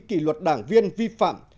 kỷ luật đảng viên vi phạm